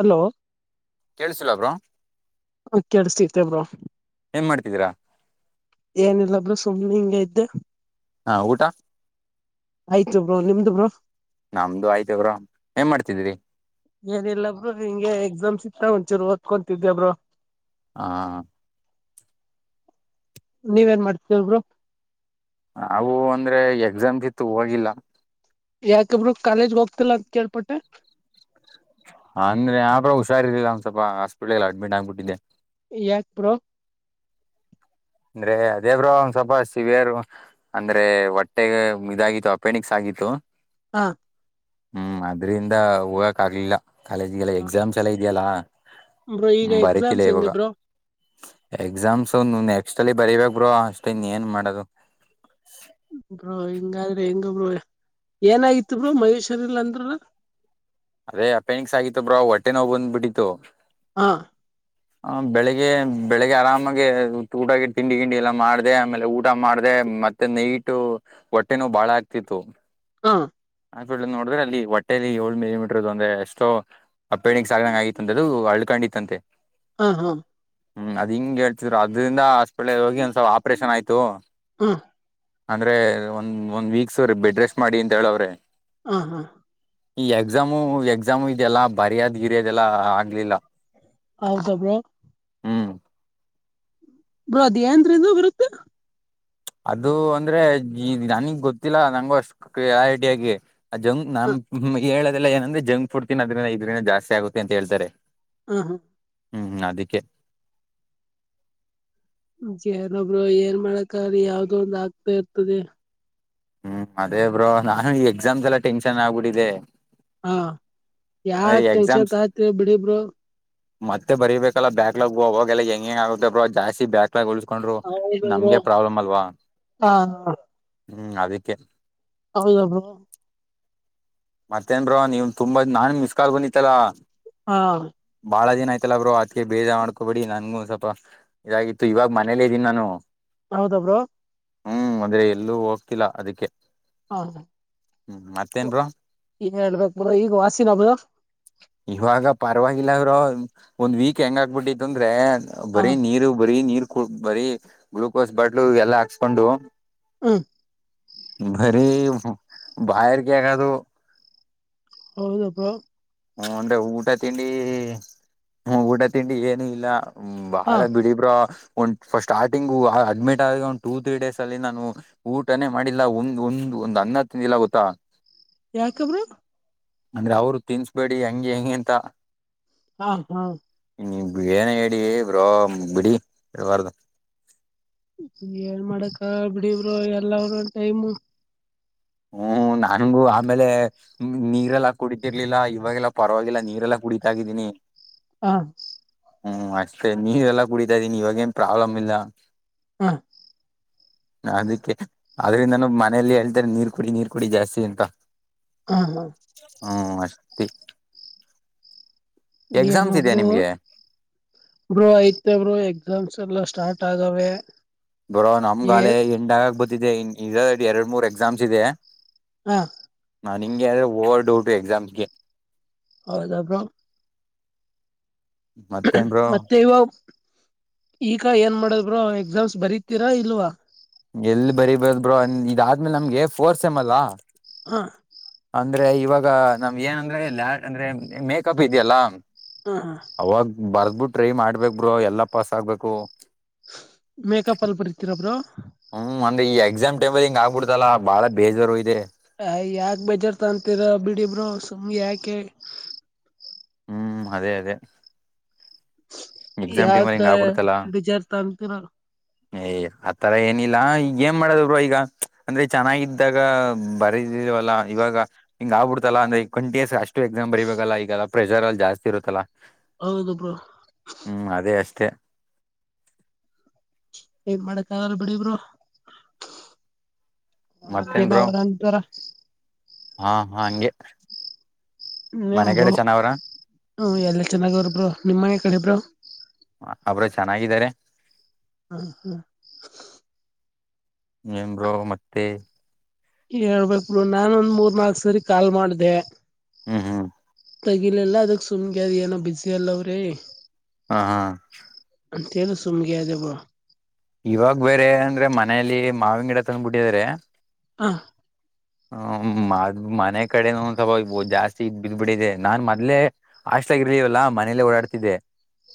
Hello ಕೇಳಿಸ್ತಿಲ್ಲ bro ಹ ಕೇಳಿಸ್ತಾ ಇದೆ ಬ್ರೋ ಏನ್ ಮಾಡ್ತಿದ್ದೀರಾ ಏನಿಲ್ಲ ಬರು ಸುಮ್ನೆ ಹಿಂಗ ಇದ್ದೆ ಹಾ ಊಟ ಆಯ್ತು ಬ್ರೋ ನಿಮ್ದು ಬ್ರೋ ನಮ್ದು ಆಯ್ತು ಬ್ರೋ ಏನ್ ಮಾಡ್ತಿದ್ರಿ ಏನಲ್ಲ ಬ್ರೋ ಹಿಂಗೆ ಎಕ್ಸಾಮ್ಸ್ ಒಂಚೂರು ಒತ್ಕೊಂತಿದ್ದೆ ಬ್ರೋ ಹಾ ನೀವೇನ್ ಮಾಡ್ತೀದಿರ ಬ್ರೋ ಅವು ಅಂದ್ರೆ ಎಕ್ಸಾಮ್ ಕಿತ್ತು ಹೋಗಿಲ್ಲ. ಯಾಕೆ ಬರು ಕಾಲೇಜ್ಗೆ ಹೋಗ್ತಿಲ್ಲ ಅಂತ ಕೆೇಳಪಟ್ಟೆ. ಅಂದ್ರೆ ಯಾಕೊ ಹುಷಾರಿಲ್ಲ ಒನ್ ಸ್ವಲ್ಪ ಹಾಸ್ಪಿಟ್ಲಲ್ಲಿ ಅಡ್ಮಿಟ್ ಆಗ್ಬಿಟ್ಟಿದ್ದೆ. ಯಾಕ್ ಬ್ರೋ ಅಂದ್ರೆ ಅದೇ ಬ್ರೋ ಒಂದ್ ಸ್ವಲ್ಪ ಸಿವಿಯರ್ ಅಂದ್ರೆ ಹೊಟ್ಟೆೆಗೆ ಇದಾಗಿತ್ತು ಅಪೆಣಿಕ್ಸ್ ಆಗಿತ್ತು. ಹಾ ಹ್ಮ್ ಅದ್ರಿಂದ ಹೋಗಕ್ ಆಗ್ಲಿಲ್ಲ ಕಾಲೇಜಗೆಲ್ಲ ಎಕ್ಸಾಮ್ಸ್ ಎಲ್ಲ ಇದ್ಯಲ್ಲಾ. ಬ್ರೋ ಈಗ ಎಕ್ಸಾಮ್ಸ್ ಹೆಂಗ ಬ್ರೋ ಎಕ್ಸಾಮ್ಸು ನೆಕ್ಸ್ಟ್ ಅಲ್ಲಿ ಬರಿಬೇಕ್ ಬ್ರೋ ಅಷ್ಟೆ ಇನ್ ಏನ್ ಮಾಡದು. ಬ್ರೋ ಹಿಂಗಾದ್ರಿ ಹೆಂಗಬ್ರು ಏನಾಗಿತ್ ಬ್ರೋ ಮೈ ಹುಷಾರಿಲ್ಲ ಅಂದ್ರಲ್ಲ. ಅದೇ ಅಪ್ಯನಿಕ್ಸ್ ಆಗತ್ತು ಬ್ರೋ ಹೊಟ್ಟೆ ನೋವು ಬಂದ್ಬಿಟ್ಟಿತ್ತು. ಹಾ ಹ ಬೆಳಿಗ್ಗೆ ಬೆಳಿಗ್ಗೆ ಆರಾಮಾಗಿ ಊಟಕ್ಕೆ ತಿಂಡಿ ಕಿಂಡಿ ಎಲ್ಲ ಮಾಡ್ದೆ ಆಮೇಲೆ ಊಟ ಮಾಡ್ದೆ. ಮತ್ತೆ ನೈಟು ಹೊಟ್ಟೆನೂ ಬಾಳ ಆಗ್ತಿತ್ತು. ಹಾ ಆ ನೋಡಿದ್ರೆ ಅಲ್ಲಿ ಹೊಟ್ಟೆಯಲ್ಲಿ ಏಳು ಮಿಲಿಮೀಟರ್ ಅಂದ್ರೇ ಅಪೆಂಡಿಕ್ಸ್ ಹಗಂಗ್ ಆಗಿತ್ತ [unintelligible] ಖಂಡಿತಂತೆ ಹಾ ಹಾ ಹ್ಮ್ ಅ್ ಹಿಂಗ್ ಹೇಳ್ತಿದ್ರು ಅದ್ರಿಂದ ಹಾಸ್ಪಿಟ್ಲ್ ಹೋಗಿ ಒಂದ್ಸಲ್ ಆಪ್ರೇಷನ್ ಆಯ್ತು ಹಾ ಅಂದ್ರೆ ಒಂದ್ ಒಂದ್ ವೀಕ್ ಸ ಬೆಡ್ ರೆಸ್ಟ್ ಮಾಡಿ ಅಂತ ಹೇಳವ್ರೆ ಹ ಹಾ ಈ ಎಕ್ಸಾಮು ಎಕ್ಸಾಮು ಇದೆಲ್ಲಾ ಬರಿಯದ್ ಗಿರಿಯದೆ ಎಲ್ಲಾ ಆಗ್ಲಿಲ್ಲ ಹ [unintelligible] ಹ್ಮ್ ಬ್ರೋ ಏಂದ್ರಿಂದ ಬರುತ್ತೆ ಅದು ಅಂದ್ರೆ ನನ್ಗ್ ಗೊತ್ತಿಲ್ಲ ನಂಗ ಅಷ್ಟ ಆ ಕ್ಲಾರಿಟಿಯಾಗಿ ಆ ಜಂಕ್ ಹ ನ್ ಹೇಳದೆಲ್ಲ ಏನಂದ್ರೆ ಜಂಕ್ ಫುಡ್ ತಿನ್ನೋದ್ರ ಇದ್ರ ಜಾಸ್ತಿ ಆಗುತ್ತೆ ಅಂತ ಹೇಳ್ತಾರೆ ಹ ಹಾ ಹ್ಮ್ ಹ್ಮ್ ಅದಕ್ಕೆ [unintelligible] ಏನ್ ಮಾಡಕ್ರಿ ಯಾವ್ದ ಒಂದ್ ಆಗ್ತಾ ಇರ್ತದೆ ಹ್ಮ್ ಅದೇ ಬ್ರೋ ನಾನು ಈ ಎಕ್ಸಾಮ್ ಎಲ್ಲ ಟೆನ್ಷನ್ ಆಗ್ಬಿಟ್ಟಿದೆ ಹಾ ಯಾವ ಅಂದ್ರೆ ಎಕ್ಸಾಮ್ಸ್ ಟೆನ್ಷನ್ತ್ಯತ್ರಿ ಬಿಡಿಬರು ಮತ್ತೆ ಬರಿಬೇಕಲ್ಲ ಬ್ಯಾಕ್ಲಾಗ್ ಹೋಗಾಗಲ್ಲ ಹೆಂಗ ಹೆಂಗ ಆಗುತ್ತೆ ಬ್ರೋ ಜಾಸ್ತಿ ಬ್ಯಾಕ್ ಉಳುಕೊಂಡ್ರು ಹೌದ ಬ್ರೋ ನಮ್ಗೆ ಪ್ರಾಬ್ಲಮ್ ಅಲ್ವಾ ಹಾ ಹ್ಮ್ ಅದಕ್ಕೆ ಹೌದ ಮತ್ತೇನ್ ಬ್ರೋ ನೀವ ತುಂಬಾ ನಾನ್ ಮಿಸ್ ಕಾಲ್ ಬೊಂಡಿತ್ತಲ್ಲಾ ಹಾ ಬಾಳ ದಿನ ಆಯ್ತಲ್ಲ ಬ್ರರು ಅತ್ಕಗೆ ಬೇಜ ಮಾಡ್ಕೋಬೇಡಿ ನನ್ಗೂ ಸ್ವಲ್ಪ ಇದಾಗಿತ್ತು ಇವಾಗ ಮನೇಲ್ಲ ಇದ್ದನಿ ನಾನು ಹೌದ ಬ್ರೋ ಹ್ಮ್ ಅಂದ್ರೆ ಎಲ್ಲೂ ಹೋಗ್ತಿಲ್ಲ ಅದಕ್ಕೆ ಹೌದ ಹ್ಮ್ ಮತ್ತೇನ್ ಬ್ರೋ ಹೇಳ್ಬೇಕ್ ಬ್ರೋಈಗ ವಾಸಿನಬ ಇವಾಗ ಪರವಾಗಿಲ್ಲ ಅವ ಒಂದ್ ವೀಕ್ ಹೆಂಗ ಆಬಿಟ್ಟಿತ್ತು ಅಂದ್ರೆ ಹಾ ಬರೀ ನೀರು ಬರೀ ನೀರ್ ಬರೀ ಗ್ಲುೂಕೋಸ್ ಬಾಟ್ಲು ಎಲ್ಲಾ ಹಾಕ್ಸ್ಕೊಂಡು ಹ್ಮ್ ಬರಿ ಬಾಯಾರಿಕೆ ಆಗೋದು ಹೌದ ಬ್ರೋ ಹ್ಮ ಅಂದ್ರೆ ಊಟ ತಿಂಡಿ ಹ ಊಟ ತಿಂಡಿ ಏನು ಇಲ್ಲ ಹಾ ಬಾಳ ಬಿಡಿಬ್ರ ಒಂದು ಫಟ್ ಸ್ಟಾರ್ಟಿಂಗ್ ಅಡ್ಮಿಟ್ ಆ ಆದ ಒಂದು ಟೂ ತ್ರೀ ಡೇಸ್ ಅಲ್ಲಿ ನಾನು ಊಟನೇ ಮಾಡಿಲ್ಲ ಒಂದು ಒಂದು ಒಂದ್ ಹನ್ನ ಹತ್ತಿನಲ್ಲ ಗೊತ್ತಾ ಯಾಕ ಬ್ರೋ ಅಂದ್ರೆ ಅವರು ತಿನ್ಸ್ಬೇಡಿ ಹೆಂಗೆ ಹೆಂಗಗೆಂತ ಹಾ ಹಾ ನೀ ಏನ ಹೇಳ ಬ್ರೋ ಬಿಡಿ ಇಬಾರ್ದ ಏನ್ ಮಾಡಕ್ಕ ಬಿಡಬ್ರು ಎಲ್ಲರು ಟೈಮ್ ಹ್ಮ್ ನನ್ಗೂ ಆಮೇಲೆ ನೀರೆಲ್ಲ ಕುಡತಿರ್ಲಿಲ್ಲ ಇವಾಗೆಲ್ಲ ಪರವಾಗಿಲ್ಲ ನೀರೆಲ್ಲಾ ಕುಡಿತಾಗಿದ್ದೀನಿ ಹಾ ಹ್ಮ್ ಅಷ್ಟೇ ನೀವೆಲ್ಲ ಕುಡಿತಾ ಇದ್ದೀನಿ ಇವಾಗೇಏನ್ ಪ್ರಾಬ್ಲಮ್ ಇಲ್ಲ ಹಾ ಅದಕ್ಕೆ ಆದ್ರಿಂದಾನ ಮನೇೆಯಲ್ಲಿ ಹೇಳ್ತಾರೆ ನೀರ್ ಕುಡಿ ನೀರ್ ಕುಡಿ ಜಾಸ್ತಿ ಅಂತ ಹಾ ಹಾ ಹ್ಮ್ ಅಷ್ಟೇ ಎಕ್ಸಾಮ್ಸ್ ಇದೆ ಏನಾದ್ರು ನಿಮ್ಗೆ ಬ್ರೋ ಐತ ಬ್ರೋ ಎಕ್ಸಾಮ್ಸ್ ಎಲ್ಲ ಸ್ಟಾರ್ಟ್ ಆಗಾವೆ ಬರೋ ನಮ್ಗಾಲೆ ಎಂಡ್ ಆಗ ಬತಿದೆ ಇದ ಎರಡ್ ಮೂರ್ ಎಕ್ಸಾಮ್ಸ್ ಇದೆ ಹಾ ನಾನ್ ಹಿಂಗೆ ಅ್ರೆ ಓರ್ಡ್ ಟು ಎಕ್ಸಾಮ್ಗೆ ಹೌದು ಬ್ರೋ ಮತ್ತೇನ್ ಬ್ರೋ ಮತ್ತೆ ಇವ ಈಗ ಏನ್ ಮಾಡದ್ರೋ ಎಕ್ಸಾಮ್ಸ್ ಬರಿತೀರಾ ಇಲ್ವಾ ಎಲ್ಲಿ ಬರಿ ಬರದ ಬ್ರೋ ಇದಾದ್ಮೇಲೆ ನಮ್ಗೆ ಫೋರ್ಸ್ ಎಮ ಅಲ್ಲ ಹಾ ಅಂದ್ರೆ ಇವಾಗ ನಮ್ ಏನಂದ್ರೆ ಅಂದ್ರೆ ಮೇಕಪ್ ಇದೆಯಲ್ಲ ಹಾ ಹಾ ಅವಾಗ ಬರ್ದಬಿಟ್ಟ ಟ್ರೈ ಮಾಡ್ಬೇಕಕ್ ಬ್ರೋ ಎಲ್ಲಾ ಪಾಸ್ ಆಗ್ಬೇಕು ಮೇಕಪ್ ಅಲ್ಲಿ ಬರಿತೀರಬ್ರು ಹ್ಮ್ ಅಂದ್ರ ಈ ಎಕ್ಸಾಮ್ ಟೇಬಲ್ ಹಿಂಗ್ ಆಗ್ಬಿಡತಲ್ಲಾ ಬಾಳ ಬೇಜಾರ ಇದೆ ಅ ಯಾಕ ಬೇಜಾರ್ ತಂತೀರ ಬಿಡಿಬರು ಸುಮ ಯಾಕೆ ಹ್ಮ್ ಅದೇ ಅದೇ ಎಕ್ಸಾಮ್ ಟೀಮ್ ಯಾಕ ಅಲ್ಲಿ ಹಿಂಗ್ ಆಗ್ಬಿಡ್ತಲ್ಲ ಬೇಜಾರ್ ತಗಂತೀರ ತರ ಏನಿಲ್ಲ ಈ ಏನ್ ಮಾಡದವರು ಈಗ ಅಂದ್ರೆ ಚೆನ್ನಾಗಿದ್ದಾಗ ಬರದಲ್ವಲ್ಲ ಇವಾಗ ಹಿಂಗ ಆಗ್ಬಿಡ್ತಲ್ಲ ಅಂದ್ರೆ ಕ್ಂಟಸ್ ಅಷ್ಟು ಎಕ್ಸಾಮ್ ಬರಬೇಕಲ್ಲ ಈಗಲ್ಲ ಪ್ರೆಷರ್ ಅ ಜಾಸ್ತಿ ಇತ್ತಲ್ಲ ಹೌದುಬ್ರೋ ಹ್ಮ್ ಅದೇ ಅಷ್ಟೇ ಏನು ಮಾಡಕ್ ಆಗಲ್ಲ ಬಿಡಿ ಬ್ರೋ ಒಂದೊಂದ ಮತ್ತೇನ್ ದಿನ ಬ್ರೋ ಅವರಂತರ ಹಾ ಹಾ ಹಂಗೆ ಮನೆಗಡೆ ಚೆನಾವ್ರ ಹ ಎಲ್ಲ ಚೆನ್ನಾಗ ಅವರಬ್ರೋ ನಿಮ್ಮ ಮನೆ ಕಡೆಬ್ರ ಅವ್ರ ಚೆನ್ನಾಗಿದ್ದಾರೆ ಹ್ಮ ಹಾ ಏನ್ ಬ್ರೋ ಮತ್ತೆ ಹೇಳ್ಬೇಕಕ್ ಬ್ರೋ ನಾನ ಒಂದ್ ಮೂರ್ ನಾಲ್ಕಕ್ ಸರಿ ಕಾಲ್ ಮಾಡ್ದ ಹ್ಮ್ ಹ್ಮ್ ತಗಿಲಿಲ್ಲಾ ಅದಕ್ ಸುಮ್ಗೆ ಅದ್ ಏನೋ ಬಿಸಿ ಅಲ್ಲ ಅವ್ರೀ ಹಾ ಹಾ ಅಂತಲ್ಲ ಸುಮಗೆಯ್ದ ಬ್ರೋ ಇವಾಗ ಬೇರೆ ಅಂದ್ರೆ ಮನೇಲಿ ಮಾವಿನ ಗಿಡ ತಂದ್ಬ ಬಿಟ್ಟಿದ್ರ ಹ ಹ್ಮ ಮದ್ ಮನೆ ಕಡೆನ ಒಂದ ಸ್ವಲ್ ಜಾಸ್ತಿ ಇದ್ ಬಿದ್ ಬಿಡಿದೆ ನಾನ್ ಮೊದ್ಲೆ ಅಷ್ಟಾಗಿರ್ಲವಲ್ಲ ಮನೇಲ್ಲೇ ಓಡಾಡ್ತಿದ್ದೆ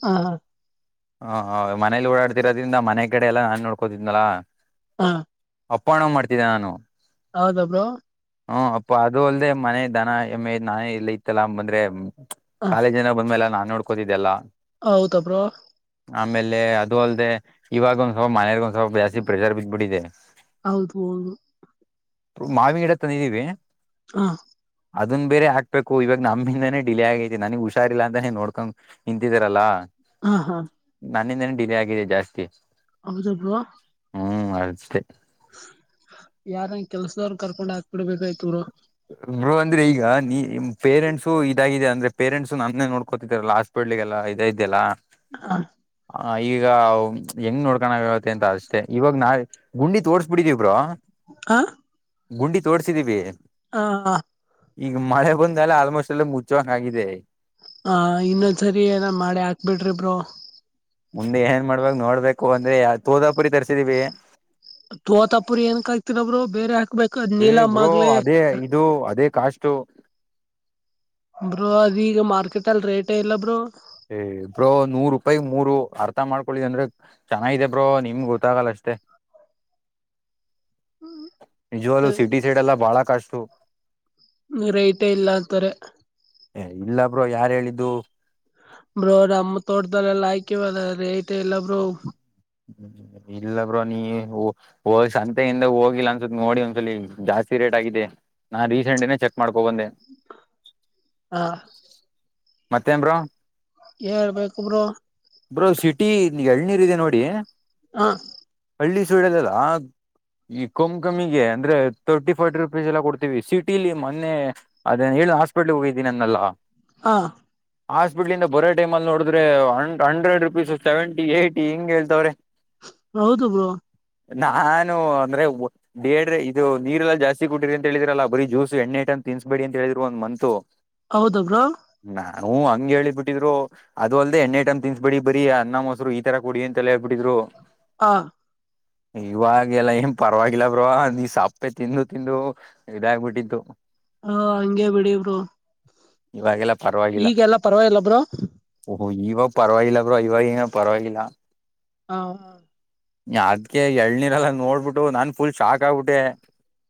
ಹಾ ಹಾ ಹ ಮನೇಲಿ ಓಡಾಡ್ತಿರೋದ್ರಿಂದ ಮನೆ ಕಡೆ ಎಲ್ಲಾ ನಾನ್ ನೋಡ್ಕೋತಿದನಲ ಹಾ ಅಪ್ಪಣ ಮಾಡ್ತಿದ್ದೆ ನಾನು ಹೌದ ಬ್ರೋ ಹ್ಮ್ ಅಪ್ಪ ಅದು ಅಲ್ಲದೆೇ ಮನೆ ದನ ಎಮ ನಾನೇ ಇಲ್ಲ ಇತ್ತಲ್ಲ ಬಂದ್ರೆ ಹ ಕಾಲೇಜ್ ಜನ ಬಂದ್ಮೇಲೆ ನಾನ್ ನೋಡ್ಕೋತಿದ್ದೆಲ್ಲ ಹೌದ ಬ್ರೋ ಆಮೇಲೆ ಅದು ಅಲ್ದೆ ಇವಾಗ ಒಂದ್ ಸ್ವಲ್ ಮನೆಯರ್ಗೊ ಸ ಬಾಸಿ ಪ್ರೆಜರ್ ಬಿದ್ದ ಬಿಡಿದೆ ಹೌದು ಹೌದು ಮಾವಿ ಗಿಡ ತಂದಿದ್ದೀವಿ ಹಾ ಅದನ್ ಬೇರೆ ಹಾಕ್ಬೇಕು ಇವಾಗ ನಮ್ಮಿಂದಾನೇ ಡಿಲೇ ಆಗೈತಿ ನನಗ್ ಹುಷಾರಿಲ್ಲ ಅಂತ ನೋಡ್ಕೊಂಡ್ ನಿಂತಿದಾರಲ್ಲಾ ಹಾ ಹಾ ನನ್ನಿಂದೇನ ಡಿಲೇ ಆಗಿದೆ ಜಾಸ್ತಿ ಹೌದ ಬ್ರೋ ಹ್ಮ್ ಅಷ್ಟೇ ಯಾರಂಗ ಕೆಲ್ಸದವ್ರು ಕರ್ಕೊಂಡ್ ಹಾಕ್ ಬಿಡ್ಬೇಕಾಯ್ತವರು ಇರು ಅಂದ್ರೆ ಈಗ ನೀ ಪೇರೆಂಟ್ಸು ಇದಾಗಿದೆ ಅಂದ್ರೆ ಪೇರೆಂಟ್ಸು ನನ್ನೇ ನೋಡ್ಕೋತಿದರಲ್ಲ ಹಾಸ್ಪಿಟ್ ಒಳ್ಳಿಗೆಲ್ಲ ಇದ ಇದ್ದ್ಯಲ್ಲ ಹಾ ಆ ಈಗ ಹೆಂಗ್ ನೋಡ್ಕೋಣ್ಯವತ್ತ ಅಂತ ಅಷ್ಟೆ ಇವಾಗ ನಾ ಗುಂಡಿ ತೋಡ್ಸ್ಬಿಟ್ಟಿದೀವರು ಆ ಗುಂಡಿ ತೋಡ್ಸಿದೀವಿ ಹಾ ಹಾ ಈಗ ಮಳೆ ಬಂದಲ್ಲ ಆಲ್ಮೋಸ್ಟ್ ಎಲ್ಲ ಮುಚ್ಚುವಂಗ ಆಗಿದೆ ಹ ಇನ್ನೊಂದ್ಸರಿ ಏನ ಮಾಡಿ ಹಾಕ್ ಬಿಡ್ರಿಬ್ರರು ಮುಂದೆ ಏನ್ ಮಾಡ್ಬಕ್ ನೋಡ್ಬೇಕು ಅಂದ್ರೆ ಯ ತೋದಾಪುರಿ ತರ್ಸಿದೀವಿ ತೋತಾಪುರಿ ಏನ್ಕ್ ಆಗ್ತಿರಬ್ರು ಬೇರೆ ಹಾಕ್ ಹ್ಮ ಬ್ರೋ ಅದೇ ಇದು ಅದೇ ಕಾಸ್ ಬೋ ಅದ ಈಗ ಮಾರ್ಕೆಟ್ ಅಲ್ಲಿ ರೇಟ್ ಇಲ್ಲ ಬ್ರೂ ಇ ಬ್ರೋ ನೂರ್ ರೂಪಾಯ ಮೂರು ಅರ್ಥ ಮಾಡ್ಕೊಳ್ಳಿದ ಅಂದ್ರೆ ಚೆನ್ನಾಗಿದೆ ಬ್ರೋ ನಿಮ್ಗೆ ಗೊತ್ತಾಗಲ್ಲ ಅಷ್ಟ ಸಷ್ಟತೆ ನಿಜವಲುೂ ಸಿಟಿ ಸೈಡ್ ಎಲ್ಲ ಬಹಳ ಕಷ್ಟು ರೇಟೇ ಇಲ್ಲ ಅಂತಾರೆ ಇಲ್ಲಬ್ರೋ ಯಾರ ಹೇಳಿದ್ದು ಬ್ರಮ್ಮ ತೋಟ್ದಲ್ಲೆಲ್ಲ ಆಯ್ಕೆ ಬೀ ಐತೆ ಎಲ್ಲಬ್ರು ಇಲ್ಲ ಬ್ರೋ ನೀ ಸಂತೆಯಿಂದ ಹೋಗಿಲ್ಲ ಅನ್ಸತ್ ನೋಡಿ ಒಂದ್ಸಲಿ ಜಾಸ್ತಿ ರೇಟ್ ಆಗ ನಾ ರೀಸೆಂಟ್ ಏೇ ಚೆಕ್ ಮಾಡ್ ಹಾ ಮತ್ತೇನ್ರು ಹೇಳ್ಬೇಕೊಬ್ರು ಬ್ರೋ ಸಿಟಿ ಎಳ್ನೀರ್ ಇದೆ ನೋಡಿ ಹಾ ಹಳ್ಳಿ ಸುಳದಲ್ಲ ಈ ಕಮ್ ಕಮ್ಮಿಗೆ ಅಂದ್ರೆ ತರ್ಟಿ ಫರ್ಟಿ ರುಪೀಸ್ ಎಲ್ಲ ಕೊಡ್ತೀವಿ ಸಿಟಿಲಿ ಮೊನ್ನೆ ಅದ. ಹಾಸ್ಪಿಟ್ಲ್ಗೆ ಹೋಗಿದ್ದೀನಿನ್ನೆಲ್ಲ ಹಾ ಹಾಸ್ಪಿಟ್ಲದ ಬರರೆ ಟೈಮ ಅಲ್ಲಿ ನೋಡಿದ್ರೆ ಹಂಡ್ರೆಡ್ ರುಪೀಸ್ ಸೆವೆಂಟಿ ಏಯಟಿ ಹಿಂಗ ಹೇಳ್ತವ್ರೆ ರೌದು ಬ್ರ ನಾನು ಅಂದ್ರೆ ಬೇಡ್ರ ಇದು ನೀರೆಲ್ಲಾ ಜಾಸ್ತಿ ಕೊಟ್ಟಿರಿ ಅಂತ ಹೇಳಿದ್ರಲ್ಲಾ ಬರೀ ಜ್ಯೂಸ್ ಎಣ್ಣೆ ಇಟ್ ಅಂತ ತಿನ್ಸಬೇಡಿ ಅಂತ ಹೇಳಿದಿರು ಒಂದ ಮಂತು ಹೌದಬ್ರಾ ನ್ ಹಂಗಂಗೆ ಹೇಳಿ ಬಿಟ್ಟಿದ್ರು ಅದ ಅಲ್ಲದೆ ಎಣ್ಣ ಟಮ್ ತಿನ್ ಬಿಡಿ ಬರಿ ಅನ್ನಮ್ಮ ಮೊಸರು ಈ ತರ ಕುಡಿ ಅಂತಲ ಬಿಡಿದ್ರೋ ಹ ಇವಾಗೆಲ್ಲ ಏನ್ ಪರವಾಗಿಲ್ಲ ಬ್ರೋ ನೀ ಸಾಪ್ಪೆ ತಿಂದು ತಿಂದು ಇದಾಗಬಿಟ್ಟಿತ್ತು ಹಾ ಹಂಗಗೆ ಬಿಡವರು ಇವಾಗೆಲ್ಲ ಈಗೆಲ್ಲಾ ಪರವಾಗಿಲ್ಲಬ್ರ ಓ್ ಇವಾಗ ಪರವಾಗಿಲ್ಲ ಬ್ರೋ ಇವಾಗ ಏನ ಪರವಾಗಿಲ್ಲ ಹ ಅದ್ಗೆ ಎಳ್ನೀರ್ಲ್ಲ ನೋಡ್ಬಿಟ್ಟು ನಾನ್ ಫುಲ್ ಶಾಕ್ ಆಗ್ಬಿಟ್ಟೆ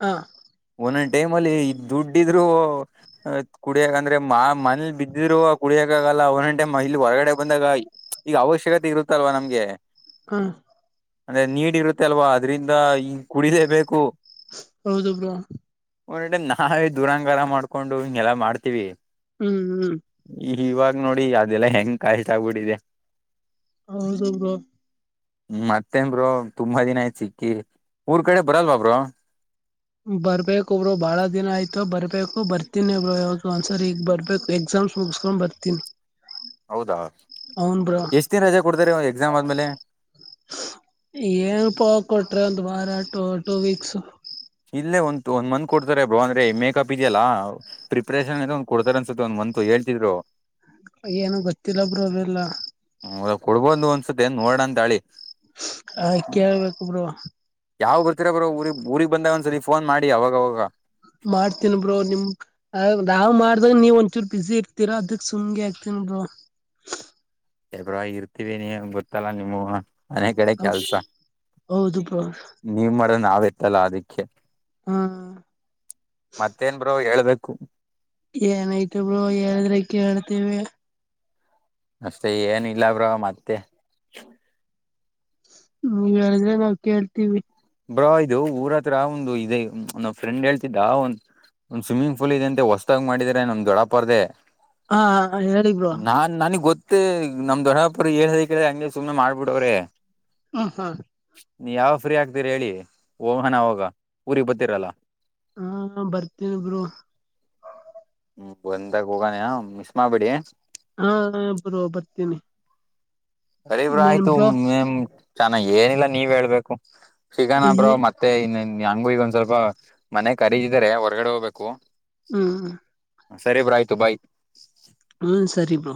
ಹಾ ಒಂದೊಂದ್ ಟೈಮ್ ಅಲ್ಲಿ ದುಡ್ಡ ಇದ್ರು ಕುಡಿಯಕ ಅಂದ್ರೆ ಮಾ ಮನೇಲಿ ಬಿದ್ದಿರುವ ಕುಡಿಯಕಾಗಲ್ಲ ಅವನ್ಂಟೆ ಇಲ್ಲಿ ಹೊರಗಡೆ ಬಂದಾಗ ಈಗ ಅವಶ್ಯಕತೆ ಇರುತ್ತಲ್ವಾ ನಮ್ಗೆ ಹಾ ಅಂದ್ರೆ ನೀಡಿ ಇರುತ್ತೆ ಅಲ್ವಾ ಅದ್ರಿಂದ ಹಂಗ ಕುಡಿದೇ ಬೇಕು ಹೌದು ಬ್ರೋ ನಾವೇ ದೂರಾಂಗಾರ ಮಾಡ್ಕೊಂಡು ಹಿಂಗೆಲ್ಲ ಮಾಡ್ತೀವಿ ಹ್ಮ್ ಹ್ಮ್ ಇವಾಗ ನೋಡಿ ಅದೆಲ್ಲಾ ಹೆಂಗ್ ಕಾಯಷ್ಟ ಆಗ್ಬಿಟ್ಟಿದೆ ಹೌದು ಹೌದು ಮತ್ತೇನ್ ಬ್ರೋ ತುಂಬಾ ದಿನ ಆಯ್ತ್ ಸಿಕ್ಕಿ ಊರ್ ಕಡೆ ಬರಲ್ವಾ ಬ್ರೋ ಬರ್ಬೇಕು ಬ್ರೋ ಬಾಳ ದಿನ ಆಯ್ತು ಬರ್ಬೇಕು ಬರ್ತೀನಿ ಬ್ರೋ ಯಾವಾಗ ಒಂದ್ಸರಿ ಈಗ್ ಬರ್ಬೇಕು ಎಕ್ಸಾಮ ಮುಗಿಸ್ಕೊಂಡ್ ಬರ್ತೀಿ ಹೌದಾ ಎಷ್ಟ ದಿನ ರಜೆ ಕೊಡ್ತಾರೆ ಎಕ್ಸಾಮ್ ಆದ್ಮೇಲೆ ಏನ್ ಪ ಕೊಟ್ರಿ ಒಂದು್ ವಾರ ಟು ಟೂ ವೀಕ್ಸ್ ಇಲ್ಲೇ ಒಂತ ಒಂದ ಮಂತ್ ಕೊಡ್ತಾರೆ ಬ್ರೋ ಅಂದ್ರ ಮೇಕಕಪ್ ಇದೆಯಲ್ಲ ಪ್ರಿಪರೇಷನ್ ಅ ಒಂದ ಕೊಡ್ತಾರೆ ಅನ್ಸುತ್ತೆ ಒಂದ್ ಮಂತತ್ ಹೇಳ್ತಿ ಬ್ರೋ ಏನು ಗೊತ್ತಿಲ್ಲ ಬ್ರೋ ಅವೆಲ್ಲ ಕುಡ್ಬೊ್ ಒನ್ಸತ ಏನ್ ನೋಡಣ ಅಂತಳಿ ಹ ಕೇಳಬೇಕು ಬ್ರೋ ಯಾವ್ ಬರ್ತೀರ ಬ್ರೋ ಊರಿ ಊರಿಗೆಗ್ ಬಂದಾಗ ಒಂದ್ಸತಿ ಫೋನ್ ಮಾಡಿ ಅವಾಗವಾಗ ಮಾಡ್ತೀನೀ ಬ್ರೋ ನಿಮ್ ನಾವ್ ಮಾಡ್ದಾಗ ನೀವ್ ಒಂದಚೂರು ಬಿಸಿಿ ಇರ್ತೀರಾ ಅದಕ್ ಸುಮ್ನೆ ಆಗ್ತನಿ ಹೌದು ಬ್ರವಾಗಿ ಇರ್ತೀವಿ ನೀ ಗೊತ್ತಲ್ಲ ನಿಮ್ಮ ಮನೆ ಕಡೆ ಕೆಲ್ಸ ಹೌದು ಬ್ರೋ ನೀವ್ ಮಾಡ ನಾವೆತ್ತಲ್ಲ ಅದಿಕ್ಕೆ ಹಾ ಮತ್ತೇನ್ ಬ್ರೋ ಹೇಳ್ಬೇಕು ಏನಾಯತ ಬ್ರೋ ಹೇಳದ್ರ ಕೇಳಳ್ತೇವಿ ಅಷ್ಟೆ ಏನ ಇಲ್ಲ ಬ್ರೋ ಮತ್ತೆ ಹ್ಮ ನೀವು ಹೇಳಿದ್ರೆ ನಾವು ಕೇಳ್ತೀವಿ ಬ್ರೋ ಇದು ಊರ ಹತ್ರ ಒಂದು ಇದೆ ನ ಫ್ರೆಂಡ್ ಹೇಳ್ತಿದ್ದ ಒಂದು ಒಂದ್ ಸ್ವಿಮ್ಮಿಂಗ್ ಪೂಲ್ ಇದೆಂತೆ ಹೊಸದಾಗ್ ಮಾಡಿದ್ರ ನಮ್ ದೊಡಪರ್ದೆ ಹಾ ಹೇಳೆ ಬ್ರೋ ಮತ್ತೆ ನಮ್ ದೊಡ್ಡಾಪುರ್ ಹೇಳದ ಕೇಳ ಹಂಗೆ ಸುಮ್ಮ್ನೆ ಮಾಡ್ಬಿಡವ್ರೆ ಹ್ಮ ಹಾ ನೀ ಯಾವ ಫ್ರೀ ಆಗ್ತೀರಿ ಹೇಳಿ ಹೋಗನ ಅವಗ ಊರಿಗೆಗ್ ಬತ್ತೀರಲ್ಲ ಹಾ ಬರ್ತೇನೆ ಬ್ರೋ ಹ್ಮ್ ಬಂದಾಗ ಹೋಗಾನೆ ಮಿಸ್ ಮಾಡ್ಬಿಡಿ ಹಾ ಬರುವ ಬರ್ತೀನಿ ಅರಿಬ್ರ ಇನ್ನೇನ್ ಆಯ್ತು ಬ್ರೋ ಚೆನ್ನಾಗ ಏನಿಲ್ಲ ನೀವ್ ಹೇಳ್ಬೇಕು ಶಿಕಾನಪ್ರ್ ಮತ್ತೆ ಇನ್ನ ಹೆಂಗೂ ಈಗೊಂದ್ ಸ್ವಲ್ಪ ಮನೆ ಖರೀದಿದಾರೆ ಹೊರ್ಗಡೆ ಹೋಗ್ಬೇಕು ಹ್ಮ್ ಸರಿ ಬ್ರೋ ಆಯ್ತು ಬಾಯ್ ಹ್ಮ ಸಾರಿ ಬ್ರೋ